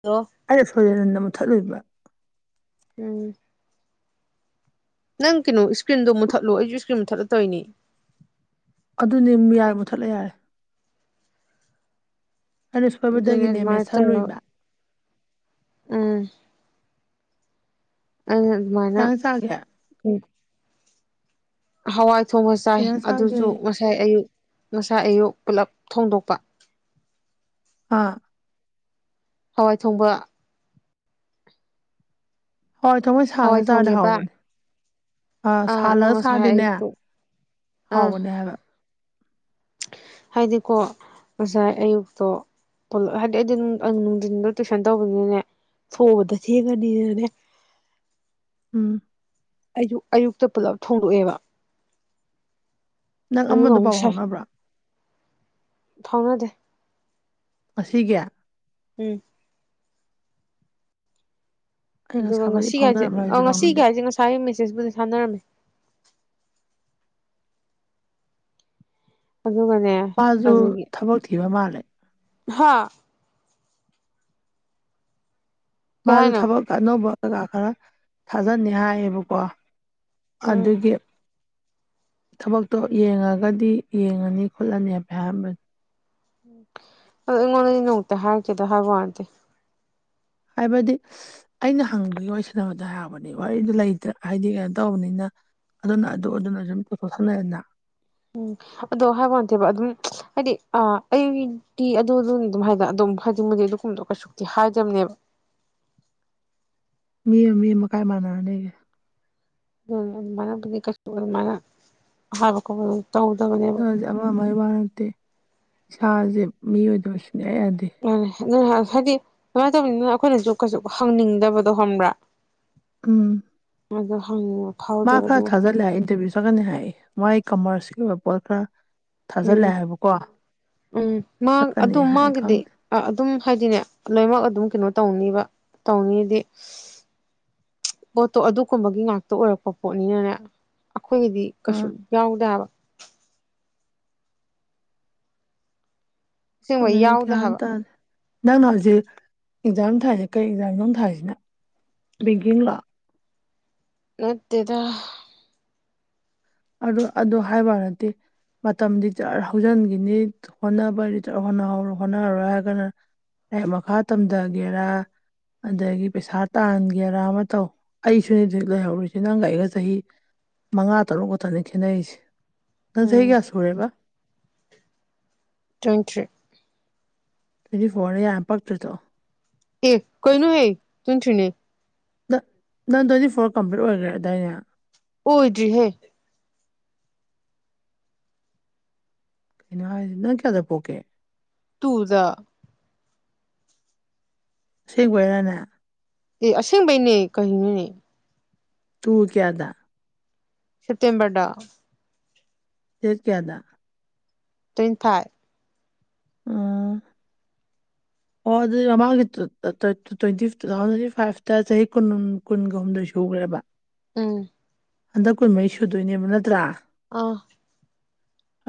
hello ꯑꯩꯅ ꯐꯣꯏꯖꯦꯅꯟꯗ ꯃꯨꯠꯊꯠꯂꯨꯏꯕ꯭ꯔ ꯎꯝ ꯅꯪ ꯀꯩꯅꯣ ꯏꯁꯀ꯭ꯔꯤꯟꯗꯣ ꯃꯨꯠꯊꯠꯂꯣ ꯑꯩꯁꯨ ꯏꯁꯀ꯭ꯔꯤꯟ ꯃꯨꯠꯊꯠꯂ ꯇꯧꯔꯤꯅꯦ ꯑꯗꯨꯅꯦ ꯌꯥꯏ ꯃꯨꯊꯠꯂꯦ ꯌꯥꯔꯦ ꯑꯩꯅ ꯑꯗꯨꯅꯦ ꯁꯣꯏꯕꯗꯒꯤꯅꯦ ꯑꯗꯨꯃꯥꯏꯅ ꯇꯧꯔ ꯃꯦꯠꯁꯜꯂꯣꯏꯕ ꯎꯝ ꯑ ꯀꯩ ꯃꯥꯅ ꯏꯟꯖꯥꯡ ꯆꯥꯒꯦ ꯎꯝ ꯍꯋꯥꯏ ꯊꯣꯡꯕ ꯀꯩ ꯆꯥꯏ ꯏꯟꯖꯥꯡ ꯆꯥꯒꯦ ꯑꯗꯨꯁꯨ ꯉꯁꯥꯏ ꯑꯌꯨꯛ ꯉꯁꯥꯏ ꯑꯌꯨꯛ ꯄꯨꯂꯞ ꯊꯣꯡꯗꯣꯛꯄ ꯑꯥ ꯍꯋꯥꯏ ꯊꯣꯡꯕ ꯍꯣꯏ ꯊꯃꯣꯏ ꯍꯋꯥꯏ ꯁꯥꯔꯖꯥꯔ ꯊꯣꯡꯉꯦꯕ ꯍꯥꯎꯕꯅꯦ ꯑꯥ ꯑꯗꯣ ꯁꯥꯜꯂꯒ ꯉꯁꯥꯏ ꯁꯥꯗꯣꯏꯅꯦ ꯑꯌꯨꯛꯇꯣ ꯑꯥ ꯍꯥꯎꯕꯅꯦ ꯍꯥꯏꯕ [inaudible] ꯍꯥꯏꯗꯤꯀꯣ ꯉꯁꯥꯏ ꯑꯌꯨꯛꯇꯣ ꯂꯛ ꯍꯥꯏꯗꯤ ꯑꯩꯗꯤ ꯅꯨꯡꯊꯤꯟꯗꯣ ꯇꯨꯏꯁꯟ ꯇꯧꯕꯅꯤꯅꯅꯦ ꯐꯨꯕꯗ ꯊꯦꯡꯉꯅꯤꯅꯅꯦ ꯎꯝ ꯑꯌꯨꯛ ꯑꯌꯨꯛꯇ ꯄꯨꯜꯂꯞ ꯊꯣꯡꯗꯣꯛꯑꯦꯕ ꯅꯪ ꯑꯗꯨꯒ ꯑꯃꯗ ꯑꯃꯨꯛ ꯄꯥꯎ ꯁꯥꯏ ꯍꯧꯥꯎꯅꯕ꯭ꯔꯥ ꯐꯥꯎꯅꯗꯦ ꯑꯁꯤꯒꯌꯥ ꯎꯝ ꯑꯩ ꯑꯗꯨꯒ ꯉꯁꯥꯏꯕꯨꯗꯤ ꯉꯁꯤꯒ ꯍꯥꯏꯁꯦ ꯐꯥꯎꯅꯔꯝꯃꯦ ꯑ ꯍꯧꯖꯤꯛ ꯉꯁꯤꯒ ꯐꯥꯎꯅꯗꯦ ꯍꯥꯏꯁꯦ ꯉꯁꯥꯏꯒꯤ ꯃꯦꯁꯦꯖꯄꯨꯗꯤ ꯁꯥꯟꯅꯔꯝꯃꯦ ꯑꯗꯨꯒꯅꯦ ꯃꯥꯁꯨ ꯑꯗꯨꯗꯒꯤ ꯊꯕꯛ ꯊꯤꯕ ꯃꯥꯜꯦ ꯍꯥ ꯀꯩ ꯃꯥꯁꯨ ꯍꯥꯏꯅꯣ ꯊꯕꯛ ꯑꯅꯧꯕ ꯀꯩꯀꯥ ꯈꯔ ꯊꯥꯖꯟꯅꯤ ꯍꯥꯏꯌꯦꯕꯀꯣ ꯎꯝ ꯑꯗꯒꯤ ꯊꯕꯛꯇꯣ ꯌꯦꯡꯉꯒꯗꯤ ꯌꯦꯡꯉꯅꯤ ꯈꯣꯠꯂꯅꯤ ꯍꯥꯏꯕ ꯍꯥꯏꯝꯕꯅꯤ ꯑꯗꯣ ꯑꯩꯉꯣꯟꯗꯗꯤ ꯅꯣꯡꯃꯨꯛꯇ ꯍꯥꯏꯔꯛꯀꯦꯗꯣ ꯍꯒꯋꯥꯟꯗꯤꯦ ꯍꯥꯏꯕꯗꯤ ꯑꯩꯅ ꯍꯪꯕꯒꯤ ꯑꯣꯏꯁꯕꯗ ꯍꯥꯏꯕꯅꯤ ꯋꯥꯔꯤꯗꯨ ꯂꯩꯇ꯭ꯔ ꯍꯥꯏꯗꯤ ꯀꯩꯅꯣ ꯇꯧꯕꯅꯤꯅ ꯑꯗꯨꯅ ꯑꯗꯨ ꯑꯗꯨꯅ ꯁꯨꯝ ꯄꯨꯣꯊꯣꯛꯁꯜꯂꯛꯑꯦꯅ ꯎꯝ ꯑꯗꯣ ꯍꯥꯏꯕꯇꯦꯕ ꯑꯗꯨꯝ ꯍꯥꯏꯗꯤ ꯑ ꯑꯩꯗꯤ ꯑꯗꯨꯗꯨꯅ ꯑꯗꯨꯝ ꯍꯥꯏꯅ ꯑꯗꯨꯝ ꯍꯥꯏꯗꯤ ꯃꯗꯤ ꯑꯗꯨꯒꯨꯝꯕꯗꯣ ꯀꯩꯁꯨꯛꯇꯤ ꯍꯥꯏꯗꯕꯅꯦꯕ [inaudible] ꯃꯤ ꯑꯃ ꯃꯤ ꯑꯃ ꯀꯥꯏ ꯃꯥꯟꯅꯔꯅꯤꯒꯦ ꯎ ꯑꯗꯨ ꯃꯅꯗꯤ ꯀꯁ ꯃꯅ ꯍꯥꯏꯕ ꯇꯧꯗꯕꯅꯦꯕ ꯅꯁꯦ ꯑꯃ ꯑꯃꯒꯤ ꯋꯥ ꯅꯠꯇꯦ ꯏꯁꯥꯁꯦ ꯃꯤꯑꯣꯏꯗꯕ ꯁꯨꯡꯅꯤꯌꯥ ꯌꯥꯗꯦ ꯑꯗꯨ ꯍꯥꯏꯗꯤ ꯁꯃꯥꯏꯅ ꯇꯧꯕꯅꯤꯅ ꯑꯩꯈꯣꯏꯅꯁꯨ ꯀꯩꯁꯨ ꯍꯪꯅꯤꯡꯗꯕꯗꯣ ꯈꯪꯕ꯭ꯔꯥ ꯎꯝ ꯑꯗ ꯍꯪꯉꯣ ꯃꯥ ꯈꯔ ꯊꯥꯖꯂꯦ ꯍꯥꯏ ꯏꯟꯇꯔꯚꯤꯌꯨ ꯆꯠꯀꯅꯤ ꯍꯥꯏ ꯃꯥꯏ ꯀꯃꯔꯁꯀꯤ ꯑꯣꯏꯕ ꯄꯣꯠ ꯈꯔ ꯎꯝ ꯊꯥꯖꯤꯜꯂꯦ ꯍꯥꯏꯕꯀꯣ ꯎꯝ ꯃꯥ ꯆꯠꯀꯅꯤ ꯑꯗꯨ ꯍꯥꯏ ꯃꯥꯒꯤꯗꯤ ꯈꯪꯗꯦ ꯑꯗꯨꯝ ꯍꯥꯏꯗꯤꯅꯦ ꯂꯣꯏꯃꯛ ꯑꯗꯨꯝ ꯀꯩꯅꯣ ꯇꯧꯅꯤꯕ ꯇꯧꯅꯤꯗꯤ ꯄꯣꯠꯇꯣ ꯑꯗꯨꯒꯨꯝꯕꯒꯤ ꯉꯥꯛꯇ ꯑꯣꯏꯔꯛꯄ ꯄꯣꯠꯅꯤꯅꯅꯦ ꯑꯩꯈꯣꯏꯒꯤꯗꯤ ꯀꯩꯁꯨ ꯑꯥ ꯌꯥꯎꯗꯕ ꯑꯁꯦꯡꯕ ꯈꯣꯡꯒꯦꯗ ꯌꯥꯎꯗꯦ ꯒ꯭ꯌꯥ ꯍꯥꯏꯕ ꯇꯥꯗꯦ ꯅꯪ ꯅ ꯍꯧꯖꯤꯛ ꯑꯦꯛꯖꯥꯝ ꯊꯥꯏꯔꯤꯁꯦ ꯀꯩ ꯑꯦꯛꯖꯥꯝꯗꯣ ꯊꯥꯏꯔꯤꯁꯤꯅ ꯕꯦꯡꯒꯤꯡ ꯂꯥꯛ ꯅꯠꯇꯦꯗ ꯑꯗꯨ ꯑꯗꯨ ꯍꯥꯏꯕ ꯅꯗꯤ ꯃꯇꯝꯗꯤ ꯆꯔ ꯍꯧꯖꯤꯟꯈꯤꯅꯤ ꯍꯣꯠꯅꯕꯔ ꯍꯣꯔ ꯍꯣꯠꯅꯍꯧꯔꯣꯏ ꯍꯥꯏꯔꯒꯥꯟꯅ ꯍ ꯃꯈꯥ ꯇꯝꯊꯒꯦꯔꯥ ꯑꯗꯒꯤ ꯄꯩꯁꯥ ꯇꯥꯟꯒꯦꯔꯥ ꯑꯃ ꯇꯧ ꯑꯩꯁꯨꯅꯦ ꯂꯩꯍꯧꯔꯨꯁ ꯅꯪꯒ ꯑꯩꯒ ꯆꯍꯤ ꯃꯉꯥ ꯇꯔꯨꯛ ꯈꯛꯇꯅꯤ ꯈꯦꯠꯅꯔꯤꯁꯦ ꯅꯪ ꯆꯍꯤ ꯀꯌꯥ ꯁꯨꯔꯦꯕ ꯇ꯭ꯋꯦꯟ ꯊ꯭ꯔꯤ ꯇ꯭ꯋꯦꯟꯇꯤ ꯐꯣꯔꯅꯦ ꯌꯥꯝ ꯄꯥꯛꯛꯇ꯭ꯔꯔꯤꯗꯣ ꯑꯦ ꯀꯣꯏꯅꯨ ꯍꯦ ꯇꯨꯅ ꯊꯤꯅꯦ ꯅꯪ ꯅꯪ ꯇ꯭ꯋꯦꯟꯇꯤ ꯐꯣꯔ ꯀꯝꯄ꯭ꯂꯤꯠ ꯑꯣꯏꯈ꯭ꯔꯦ ꯑꯗꯨꯗꯥꯏꯅꯦ ꯍꯗ꯭ꯔꯤ ꯍꯦ ꯀꯩꯅ ꯏ ꯅ ꯀꯗ ꯄꯀꯦ ꯇꯨꯗ ꯁꯤ ꯀꯣꯏꯔꯅ ꯑꯦ ꯑꯁꯦꯡꯕꯩꯅꯦ ꯀꯩꯅꯤꯅꯦ ꯇꯨꯡ ꯀꯌꯥꯗ ꯁꯇꯌꯝꯕꯔꯗꯥ ꯐꯔ ꯀꯌꯥꯗ ꯇ꯭ꯋꯦꯟꯇꯤ ꯐꯥꯏꯚ ꯑ ꯑꯣ ꯑꯗꯨꯗꯤ ꯃꯃꯥꯡꯒꯤ ꯇ꯭ꯋꯦꯟꯇꯤ ꯇꯨ ꯊꯥꯎꯖꯟ ꯐꯥꯏꯚꯇ ꯆꯍꯤ ꯀꯨꯟ ꯀꯨꯟꯒ ꯍꯨꯝꯗꯣꯏꯁꯨ ꯭ꯔꯕ ꯎꯝ ꯍꯟꯗꯛ ꯀꯨꯟꯃꯔꯤ ꯁꯨꯗꯣꯏꯅꯦꯕ ꯅꯠꯇ꯭ꯔꯥ ꯑꯥ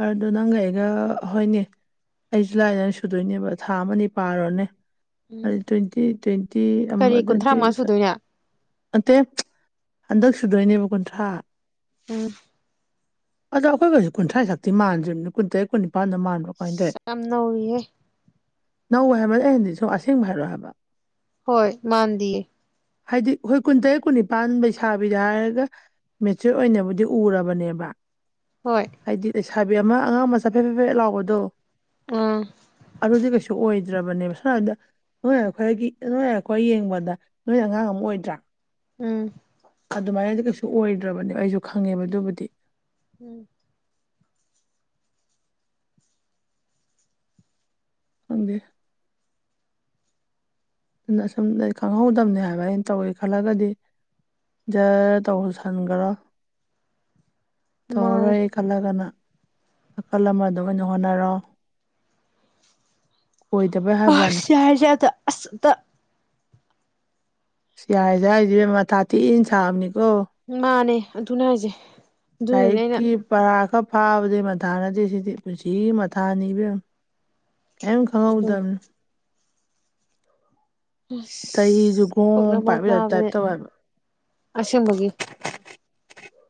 ꯑꯗꯨꯗ ꯅꯪꯒ ꯑꯩꯒ ꯍꯣꯏꯅꯦ ꯑꯩꯁꯨꯖꯨꯂꯥꯏꯗ ꯁꯨꯗꯣꯏꯅꯦꯕ ꯊꯥ ꯑꯃꯅꯤ ꯄꯥꯔꯨꯔꯅꯦ ꯎꯝ ꯇ꯭ꯋꯦꯟꯇꯤ ꯇ꯭ꯋꯦꯟꯇꯤ ꯑꯃ ꯀꯔꯤ ꯀꯨꯟꯊ꯭ꯔꯥ ꯑꯗꯨꯗꯤ ꯃꯉꯥ ꯁꯨꯗꯣꯏꯅꯦ ꯅꯠꯇꯦ ꯍꯟꯗꯛ ꯁꯨꯗꯣꯏꯅꯦꯕ ꯀꯨꯟꯊ꯭ꯔꯥ ꯑ ꯑꯗꯣ ꯑꯩꯈꯣꯏ ꯍꯧꯖꯤꯛ ꯀꯨꯟꯊ꯭ꯔꯥ ꯁꯛꯇꯤ ꯃꯥꯟꯗ꯭ꯅꯤ ꯀꯨꯟ ꯇꯔꯦꯠ ꯀꯨꯟꯅꯤꯄ ꯀꯥꯟꯗ ꯃꯥꯟꯕ꯭ꯔꯣ ꯀꯥꯏꯅꯗꯏ ꯌꯥꯝ ꯅꯧꯔꯤꯍꯦ ꯅꯧ ꯍꯥꯏꯕꯅꯦ ꯑꯍꯟꯗꯤ ꯁꯨꯝ ꯑꯁꯦꯡꯕ ꯍꯥꯏꯔꯣ ꯍꯥꯏꯕ ꯍꯣꯏ ꯃꯥꯟꯗꯌꯦ ꯍꯥꯏꯗꯤ ꯑꯩꯈꯣꯏ ꯀꯨꯟꯇꯔꯦꯠ ꯀꯨꯟꯅꯤꯄꯥꯟ ꯂꯩꯩꯁꯥꯕꯤꯗ ꯍꯥꯏꯔꯒ ꯃꯦꯆꯣꯔ ꯑꯣꯏꯅꯕꯨꯗꯤ ꯎꯔꯕꯅꯦꯕ ꯍꯣꯏ ꯍꯥꯏꯗꯤ ꯂꯩꯁꯥꯕꯤ ꯑꯃ ꯑꯉꯥꯡ ꯑꯃ ꯆꯐꯦꯠ ꯐꯦꯐꯦꯠ ꯂꯥꯎꯕꯗꯣ ꯑꯥ ꯑ ꯍꯧꯖꯤ ꯀꯩꯁꯨ ꯑꯣꯏ ꯐꯗ꯭ꯔꯕꯅꯦꯕ ꯁꯨꯏꯔꯕꯗ ꯅꯣꯏ ꯑꯩꯈꯣꯏꯒꯤ ꯅꯣꯏ ꯑꯩꯈꯣꯏ ꯌꯦꯡꯕꯗ ꯅꯣꯏ ꯑꯉꯥꯡ ꯑꯃ ꯑꯣꯏꯗ꯭ꯔꯥ ꯎꯝ ꯑꯗꯨꯃꯥꯏꯅꯗꯤ ꯀꯩꯁꯨ ꯑꯣꯏꯗ꯭ꯔꯕꯅꯦ ꯑꯩꯁꯨ ꯈꯪꯉꯦꯕ ꯑꯗꯨꯕꯨꯗꯤ ꯎꯝ ꯑꯪꯗ ꯑꯗꯨꯅ ꯁꯁꯨꯝ ꯑꯩ ꯈꯪꯍꯧꯗꯕꯅꯤ ꯍꯥꯏꯕ ꯑꯩꯅ ꯇꯧꯋꯤ ꯈꯜꯂꯒꯗꯤ ꯖꯔ ꯇꯧꯁꯟꯒꯔ ꯇꯔ ꯃꯥꯅꯦ ꯑꯩꯂꯒꯅ ꯅꯥꯀꯜ ꯑꯃꯗꯣ ꯑꯣꯏꯅ ꯍꯣꯠꯅꯔꯣ ꯑꯣꯏꯗꯕꯩ ꯍꯥꯏꯕꯋꯥꯅꯤ ꯑꯁꯁꯗ ꯑꯁ ꯁꯤ ꯌꯥꯏꯁꯦ ꯍꯥꯏꯁ ꯃꯊꯥ ꯇꯤꯟ ꯁꯥꯕꯅꯤꯀꯣ ꯃꯥꯅꯦ ꯑꯗꯨꯅ ꯍꯥꯏꯁꯦ ꯑꯗꯨꯅꯅꯦ ꯑꯩꯅ ꯂꯥꯏꯛꯀꯤ ꯄꯔꯥꯒ ꯐꯥꯕꯗꯤ ꯃꯊꯥ ꯅꯠꯇꯦ ꯁꯤꯗꯤ ꯄꯨꯟꯁꯤ ꯃꯊꯥꯅꯤ ꯏꯕ ꯀꯦꯝ ꯈꯥꯎ ꯑꯗꯨꯝ ꯇꯅ ꯆꯍꯤꯁꯨ ꯑꯁ ꯄꯣꯛꯅ ꯒꯣꯡ ꯑꯃꯝ ꯄꯥꯏꯕꯩ ꯌꯥꯕ ꯇꯥꯏꯞ ꯅꯥꯕꯅꯦ ꯇꯧꯋꯦꯕ ꯑꯁꯦꯡꯕꯒꯤ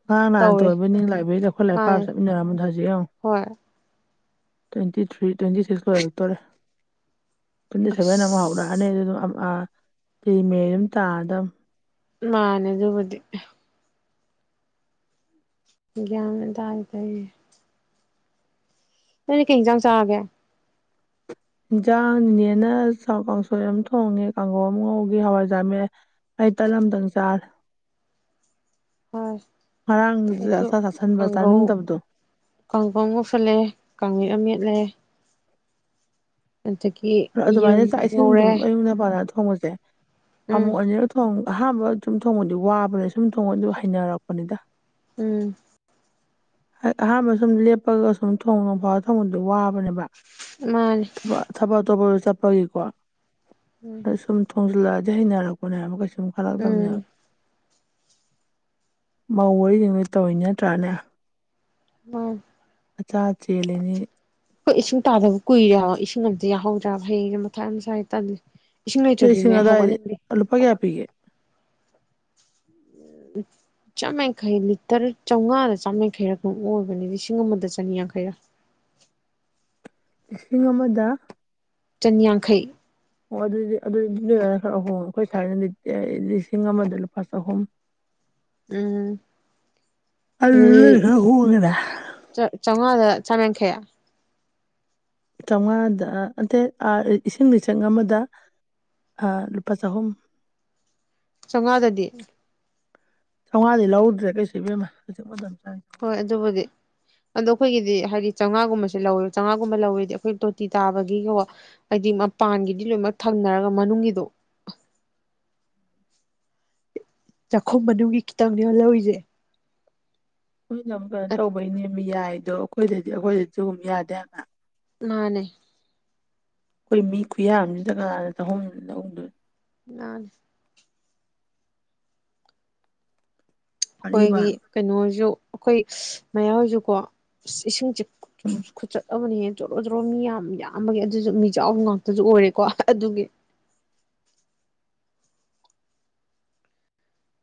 ꯉ ꯉꯍꯥꯟ ꯇ ꯇꯧꯋꯦ ꯑꯣꯏꯕꯅꯤ ꯂꯥꯏꯕ꯭ꯔꯦꯔꯤꯗ ꯑꯩꯈꯣꯏ ꯂꯥꯏꯔꯤꯛ ꯃꯥꯅꯦ ꯄꯥꯕ ꯆꯠꯃꯤꯟꯅꯔꯝꯕꯣꯗꯣ ꯍꯧꯖꯤꯛ ꯌꯦꯡꯉ ꯍꯣꯏ ꯇ꯭ꯋꯦꯟꯇꯤ ꯊ꯭ꯔꯤ ꯇ꯭ꯋꯦꯟꯇꯤ ꯁꯤꯛꯁꯀ ꯂꯔꯛꯇꯣꯔꯦ ꯇ꯭ꯋꯦꯟꯇꯤ ꯁꯦꯚꯦꯟ ꯑꯃꯨꯛ ꯑꯁ ꯍꯧꯔꯛꯑꯅꯤ ꯑꯗꯨꯝ ꯐ꯭ꯔꯤ ꯃꯦ ꯑꯗꯨꯝ ꯇꯥꯗ ꯅꯅꯦ ꯑꯗꯨ ꯃꯗꯤ ꯌꯥꯦ ꯇ ꯍꯥꯏ ꯇꯏ ꯅꯅ ꯀꯩ ꯆꯥꯡ ꯆꯥꯒꯦ ꯏꯟꯖꯥꯡ ꯅꯦꯅ ꯀꯥꯡꯁꯣꯏ ꯑꯃ ꯊꯣꯡꯉꯦ ꯀꯥꯡꯈꯧ ꯑꯃ ꯉꯧꯈꯤ ꯍꯋꯥꯏꯖꯥꯔꯃꯦ ꯑꯩ ꯇꯂꯝꯝꯗꯪ ꯆꯥꯔꯦ ꯍꯣꯏ ꯉꯔꯥꯡꯗꯨꯗ ꯑꯥꯛꯁ ꯆꯥꯁꯟꯕ ꯆꯥꯅꯤꯡꯗꯕꯗꯣ ꯀꯥꯡꯈ ꯃꯨꯐꯨꯠꯂꯦ ꯀꯥꯡꯉꯠ ꯑꯃꯦꯠꯂꯦ ꯌꯦꯔꯨꯝ ꯑꯗꯨꯃꯥꯏꯅ ꯆꯥꯛ ꯏꯁꯤꯡ ꯉꯧꯔꯦ ꯑꯗꯨꯝ ꯑꯌꯨꯛ ꯄꯗ ꯊꯣꯡꯕꯁꯦ ꯎꯝ ꯑꯃꯨꯛ ꯑꯅꯤꯔ ꯊꯣꯡ ꯑꯍꯥꯟꯕ ꯁꯨꯝ ꯊꯣꯡꯕꯗꯤ ꯋꯥꯕꯅꯦ ꯁꯨꯝ ꯊꯣꯡꯕ ꯑꯗꯨ ꯍꯩꯅꯔꯛꯄꯅꯤꯗ ꯎꯝ ꯑꯍꯥꯟꯕ ꯁꯨꯝ ꯂꯦꯞꯄꯒ ꯁꯨꯝ ꯊꯣꯡꯉ ꯐ ꯊꯉꯗ ꯋꯥꯕ ꯅꯦꯕ ꯃꯥꯅꯦ ꯊꯕꯛ ꯑ ꯇꯣꯧꯕꯗ ꯆꯠꯄꯒꯤꯀꯣ ꯎꯝ ꯁꯨꯝ ꯊꯣꯡꯁꯂꯖꯅꯔ ꯀꯣꯅꯦ ꯑꯃ ꯀꯩ ꯁꯨꯝ ꯈꯔꯥꯛ ꯇꯅꯦ ꯎꯝ ꯃꯧ ꯋꯥꯔꯤꯁꯤꯡꯅꯣꯏ ꯇꯧꯔꯤꯤ ꯅꯠꯇ꯭ꯔꯥꯅꯦ ꯎꯝ ꯑꯆꯥ ꯆꯦꯜꯜꯂꯤꯅꯤ ꯍꯈꯣꯏ ꯏꯁꯤꯡ ꯇꯥꯗꯕ ꯀꯨꯏꯔꯦꯕ ꯏꯁꯤꯡ ꯑꯝꯇ ꯌꯥꯍꯧꯗ꯭ꯔꯕ ꯍꯌꯦꯡꯁ ꯃꯊꯥꯏ ꯃꯁꯥꯏ ꯇꯜꯂꯤ ꯏꯁꯤꯡ ꯑꯗꯣ ꯂꯩꯇ꯭ꯔꯗꯤꯅꯦ ꯑꯗꯥꯏꯗꯤ ꯍꯧꯒꯠꯅꯤꯡꯗꯦ ꯂꯨꯄꯥ ꯀꯌꯥ ꯄꯤꯒꯦ ꯑ ꯆꯥꯃꯡꯈꯩ ꯂꯤꯇꯔ ꯆꯥꯝꯃꯉꯥꯗ ꯆꯥꯝꯃꯡꯈꯩꯔ ꯑꯗꯨꯝ ꯑꯣꯏꯕꯅꯦ ꯂꯤꯁꯤꯡ ꯑꯃꯗ ꯆꯅꯤ ꯌꯥꯡꯈꯩꯔꯛ [inaudible] ꯂꯤꯁꯤꯡ ꯑꯃꯗ ꯆꯟꯌꯥꯡꯈꯩ ꯑꯣ ꯑꯗꯨꯗꯤ ꯑꯗꯨꯗꯤ ꯈꯔ ꯑꯍꯨꯝ ꯑꯩꯈꯣꯏ ꯁꯥꯏꯅꯇꯦ ꯂꯤꯁꯤꯡ ꯑꯃꯗ ꯂꯨꯄꯥ ꯆꯍꯨꯝ ꯎꯝ ꯑ ꯑꯗꯨꯗꯤ ꯅꯣꯏꯅ ꯈꯔ ꯍꯣꯡꯉꯦꯅꯦ ꯆ ꯆꯉꯗ ꯆꯃꯡꯈꯌꯥ ꯆꯥꯝꯃꯉꯥꯗ ꯑꯠꯇꯦ ꯏꯁꯤꯡ ꯂꯤꯆꯪ ꯑꯃꯗ ꯂꯨꯄꯥ ꯆꯍꯨꯝ ꯆꯪꯉꯗꯗꯤ ꯆꯥꯝꯃꯉꯥꯗꯤ ꯂꯧꯧꯗ꯭ꯔꯦ ꯀꯩꯁꯨꯕꯦꯝꯃ ꯍꯧꯖꯤꯛ ꯃꯇꯝꯁꯦ ꯍꯣꯏ ꯑꯗꯨꯕꯨꯗꯤ ꯑꯗꯣ ꯑꯩꯈꯣꯏꯒꯤꯗꯤ ꯍꯥꯏꯗꯤ ꯆꯥꯝꯃꯉꯥꯒꯨꯝꯕꯁꯦ ꯂꯧꯋꯦ ꯆꯥꯝꯃꯉꯥꯒꯨꯝꯕ ꯂꯧꯋꯗꯤ ꯑꯩꯈꯣꯏ ꯇꯣꯇꯤ ꯇꯥꯕꯒꯤ ꯀ ꯍꯥꯏꯗꯤ ꯃꯄꯥꯟꯒꯤꯗꯤ ꯂꯣꯏꯅꯃꯛ ꯊꯝꯅꯔꯒ ꯃꯅꯨꯡꯒꯤꯗꯣ ꯎ ꯆꯥꯛꯈꯨꯝ ꯃꯅꯨꯡꯒꯤ ꯈꯤꯇꯪꯅꯦ ꯑꯣꯜꯍꯧꯔꯤꯁꯦ ꯑꯩꯈꯣꯏꯅ ꯑꯃꯨꯛ ꯀꯩꯅꯣ ꯇꯧꯕꯩꯅꯦ ꯑꯃ ꯌꯥꯏꯗꯣ ꯑꯩꯈꯣꯏꯗꯗꯤ ꯑꯩꯈꯣꯏꯗꯁꯨꯒꯨꯝ ꯌꯥꯗꯦꯅ ꯃꯥꯅꯦ ꯑꯩꯈꯣꯏ ꯃꯤ ꯈꯨꯌꯥ ꯑꯃꯁꯤꯗ ꯀꯅꯥꯅ ꯂꯧꯍꯧꯗꯣꯏꯅꯣ ꯂ ꯑꯔꯤꯕ ꯑꯩꯈꯣꯏꯒꯤ ꯍꯥꯏꯕ ꯀꯩꯅꯣꯁꯨ ꯑꯩꯈꯣꯏ ꯃꯌꯥꯝꯍꯁꯨꯀꯣ ꯏꯁꯤꯡ ꯆꯤ ꯎꯝ ꯑꯃꯅꯤꯅꯤ ꯖꯣꯔꯣ ꯖꯣꯔꯣ ꯃꯤ ꯌꯥꯝ ꯌꯥꯝꯕꯒꯤ ꯑꯗꯨꯁꯨ ꯃꯤ ꯆꯥꯎꯕ ꯉꯥꯛꯇꯁꯨ ꯑꯣꯏꯔꯦꯀꯣ ꯑꯗꯨꯒꯤ [inaudible]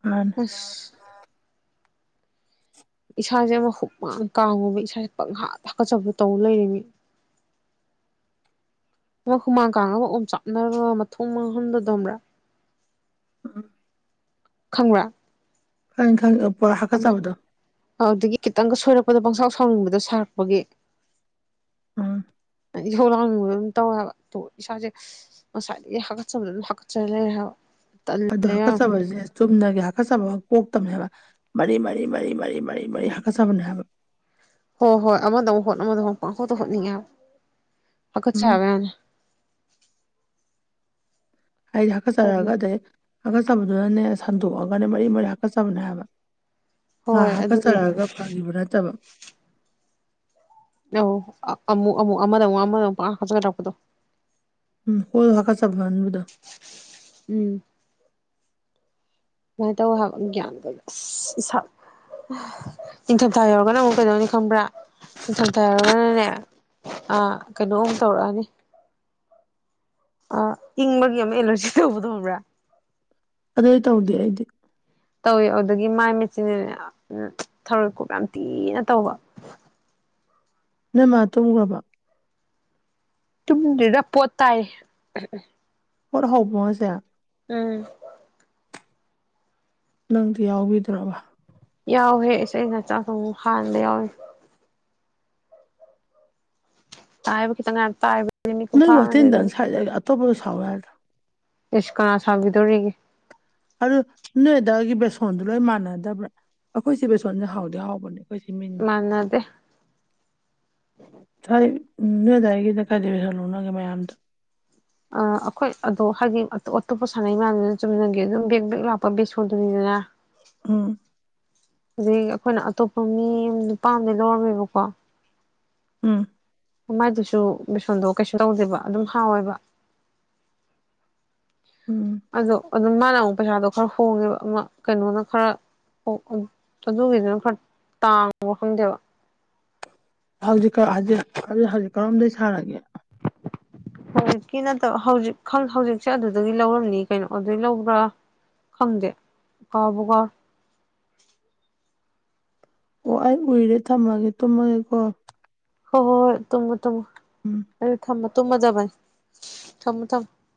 ꯑ ꯑꯁ ꯏꯁꯥꯁꯦ ꯑꯃ ꯍꯨꯛ ꯃꯥꯥꯡꯅ ꯀꯥꯡꯉꯕ ꯏꯁꯥꯁꯦ ꯄꯪꯍꯥ ꯊꯥꯀꯠꯆꯕ ꯇꯧ ꯂꯩꯔꯤꯝꯅꯤ [inaudible] [inaudible] ꯃ ꯍꯨꯃꯥꯡ ꯀꯥꯡꯉꯒ ꯑꯣꯝ ꯆꯥꯞꯅꯔꯒ ꯃꯊꯣꯡ ꯃꯥꯡꯍꯟꯗꯗꯣꯕ꯭ꯔꯥ ꯎꯝ ꯈꯪ꯭ꯔꯥ ꯍ ꯏꯈꯪ ꯄꯣꯔꯥ ꯍꯥꯀꯥ ꯆꯕꯗꯣ ꯑ ꯑꯗꯨꯗꯒꯤ ꯈꯤꯇꯪꯒ ꯁꯣꯏꯔꯛꯄꯗꯣ ꯄꯪꯁꯥꯎ ꯁꯥꯎꯅꯤꯡꯕꯗꯣ ꯁꯥꯔꯛꯄꯒꯤ ꯎꯝ ꯏꯍꯧ ꯂꯥꯡꯅꯤꯡꯕ ꯑꯗꯨꯝ ꯇꯧꯋꯦꯕ ꯏꯁꯥꯁꯦ ꯉꯁꯥꯏꯗꯒꯤ ꯍꯥꯀꯠꯆꯕꯗ ꯑꯗꯨꯝ ꯍꯥꯀꯠꯆꯔ ꯂꯩꯔꯦ ꯍꯥꯏꯕ ꯇꯜꯂꯦ ꯑꯗꯣ ꯌꯥꯝ ꯍꯥꯀꯠꯆꯕꯁꯦ ꯆꯨꯝꯅꯒꯤ ꯍꯥꯀꯠꯆꯕ ꯑꯃ ꯄꯣꯛꯇꯕꯅꯦꯕ ꯃ ꯃꯔꯤ ꯃꯔꯤ ꯃꯔꯤ ꯃꯔꯤ ꯃꯔꯤ ꯍꯀ ꯆꯕꯅ ꯍꯥꯏꯕ ꯍꯣꯏ ꯍꯣꯏ ꯑꯃꯗ ꯑꯃꯨꯛ ꯍꯣꯠ ꯑꯃꯗ ꯑꯃꯨꯛ ꯍꯣꯠꯇ ꯍꯣꯠꯅꯤꯡꯉꯦꯕ ꯄꯥꯀꯠ ꯎꯝ ꯁꯥꯕ ꯌꯥꯅꯤ ꯑꯩꯗꯤ ꯇꯜꯂꯤ ꯍꯥꯀꯠꯆꯔꯛꯒ ꯑꯗꯩ ꯍꯥꯀꯠꯆꯕꯗꯨꯅꯅꯦ ꯁꯟꯗꯣꯛꯑꯒꯅꯦ ꯃꯔꯤ ꯃꯔꯤ ꯍꯥꯀꯠꯆꯕꯅꯦ ꯍꯥꯏꯕ ꯉ ꯍꯣꯏ ꯑꯗꯨꯅꯦ ꯍꯥꯀꯠꯆꯔꯛꯑꯒ ꯐꯈꯤꯕ ꯅꯠꯇꯕ ꯑ ꯑꯃꯨꯛ ꯑꯃꯨꯛ ꯑꯃꯗ ꯑꯃꯨꯛ ꯑꯃꯗ ꯑꯃꯨꯛ ꯈ ꯂꯥꯛꯛꯄꯗꯣ ꯎꯝ ꯍꯣꯣꯏ ꯍꯀꯥꯁ ꯆꯚꯕꯗ ꯁꯨꯃꯥꯏꯅ ꯇꯧ ꯍꯥꯏꯕ ꯑꯃ ꯒ꯭ꯌꯥꯟ ꯇꯧ ꯅꯤꯡꯊꯝꯊꯥ ꯌꯧꯔꯒꯅ ꯑꯃꯨꯛ ꯀꯩꯗꯧꯅꯤ ꯈꯪꯕ꯭ꯔꯥ ꯅꯤꯡꯊꯝꯊꯥꯔꯅꯅꯦ ꯑ ꯀꯩꯅꯣ ꯑꯝ ꯇꯧꯔꯛꯑꯅꯤ ꯑ ꯏꯪꯕꯒꯤ ꯑꯃ ꯑꯦꯂꯔꯖꯤ ꯇꯧꯕꯗꯕ꯭ꯔꯥ ꯑꯗꯥꯏ ꯇꯥꯎꯗ ꯍꯥꯏꯥꯏꯗꯤꯦ ꯇꯧꯋꯦ ꯑꯗꯨꯗꯒꯤ ꯃꯥꯏ ꯃꯦꯆꯤꯟꯅ ꯊꯧꯔꯣꯏ ꯀꯞ ꯌꯥꯝ ꯊꯤꯅ ꯇꯧꯕ ꯅ ꯃꯥ ꯇꯣꯃꯒꯕ ꯇꯗ ꯄꯣꯇꯥꯑ ꯍꯔ ꯍꯥꯎꯕꯉꯁꯦ ꯎꯝ ꯅꯪꯗꯤ ꯌꯥꯎꯕꯤꯗ꯭ꯔꯕ ꯌꯥꯎꯍꯦ ꯏꯁꯩ ꯅꯆꯥꯨ ꯍꯥꯟꯅꯗ ꯌꯥꯎꯋꯦ ꯇꯥꯏꯕꯈꯤꯪ ꯉ ꯄꯥꯏꯕ ꯅꯣꯏ ꯋꯥꯠꯇꯦꯅꯤ ꯊꯪ ꯁꯥꯏꯖꯒꯦ ꯑꯠꯇꯣ ꯁꯥꯎ ꯍꯥꯏꯣ ꯏꯁꯁꯀꯔꯅꯥ ꯁꯥꯕꯕꯤꯗꯧꯔꯔꯤꯒ ꯑꯗꯨ ꯅꯣꯏ ꯑꯗꯨꯗꯥꯗꯒꯤ ꯕꯦꯁꯣꯟꯗꯨ ꯂꯣꯏ ꯃꯥꯟꯅꯗꯕ꯭ꯔꯥ ꯑꯩꯈꯣꯏꯁꯦ ꯕꯦꯁꯣꯟꯁꯦ ꯍꯥꯎꯗꯤ ꯍꯥꯎꯕꯅꯦ ꯀꯁꯤ ꯃꯤꯅꯤ ꯃꯥꯟꯅꯗꯦ ꯁꯥꯏ ꯎꯝ ꯅꯣꯏ ꯑꯗꯨꯗꯥꯏꯒꯤꯗ ꯀꯥꯏꯗꯣꯏ ꯁꯣꯂꯣ ꯅꯪꯒꯦ ꯃꯌꯥꯝꯗꯣ ꯑ ꯑꯩꯈꯣꯏ ꯑꯗꯣ ꯍꯥꯏꯗꯤ ꯑꯇꯣꯞꯄ ꯁꯥꯟꯅꯩ ꯃꯌꯥꯝꯗꯨꯅ ꯆꯨꯝꯃꯤꯟꯅꯒꯦ ꯑꯗꯨꯝ ꯕꯦꯛ ꯕꯦꯛ ꯂꯥꯛꯄ ꯕꯦꯁꯣꯔꯗꯨꯅꯤꯗꯅ ꯑꯝ ꯑꯗꯒꯤ ꯑꯩꯈꯣꯏꯅ ꯑꯇꯣꯞꯄ ꯃꯤ ꯅꯨꯄꯥ ꯑꯃꯝꯗꯒꯤꯩ ꯂꯧꯔꯝꯃꯦꯕꯀꯣ ꯎꯝ ꯃꯃꯥꯏꯗꯨꯁꯨ ꯕꯦꯁꯣꯟꯗꯣ ꯀꯩꯁꯨ ꯇꯧꯗꯦꯕ ꯑꯗꯨꯝ ꯍꯥꯎꯋꯦꯕ ꯎꯝ ꯑꯗꯣ ꯑꯗꯨꯝ ꯃꯥꯅ ꯑꯃꯨꯛ ꯄꯩꯁꯥꯗꯣ ꯈꯔ ꯍꯣꯡꯉꯦꯕ ꯑꯃ ꯀꯩꯅꯣꯅ ꯈꯔ ꯑꯣ ꯑꯗꯨꯒꯤꯗꯨꯅ ꯈꯔ ꯇꯥꯡꯕ ꯈꯪꯗꯦꯕ ꯍꯧꯖꯤꯛ ꯍꯧꯖꯤꯛ ꯍꯧꯖꯤꯛ ꯍꯧꯖꯤꯛ ꯀꯔꯣꯝꯗꯒꯤ ꯁꯥꯔꯒꯦ ꯍꯧꯖꯤꯛꯀꯤ ꯅꯠꯇꯕ ꯍꯧꯖꯤꯛ ꯍꯧꯖꯤꯛꯁꯦ ꯑꯗꯨꯗꯒꯤ ꯂꯧꯔꯝꯅꯤ ꯀꯩꯅꯣ ꯑꯗꯨꯏ ꯂꯧꯕ꯭ꯔꯥ ꯈꯪꯗꯦ ꯀꯀꯥ ꯀꯥꯔ [inaudible] [unintelligible] ꯑꯣ ꯑꯩ ꯎꯏꯔꯦ ꯊꯝꯃꯒꯦ ꯇꯨꯝꯃꯒꯦꯀꯣ ꯍꯣꯏ ꯍꯣꯏ ꯍꯣꯏ ꯇꯨꯝꯃꯨ ꯇꯨꯝꯃꯨ ꯎꯝ ꯑꯩ ꯊꯝꯃ ꯇꯨꯝꯃꯗꯕꯅꯤ ꯊꯝꯃꯣ ꯊꯝꯃꯣ